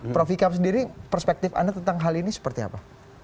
prof ikam sendiri perspektif anda tentang hal ini seperti apa